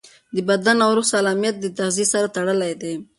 د بدن او روح سالمیت د تغذیې سره تړلی دی.